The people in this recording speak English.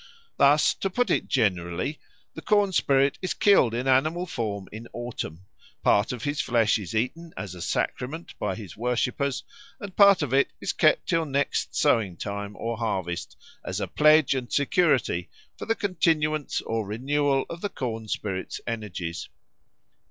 Thus, to put it generally, the corn spirit is killed in animal form in autumn; part of his flesh is eaten as a sacrament by his worshippers; and part of it is kept till next sowing time or harvest as a pledge and security for the continuance or renewal of the corn spirit's energies.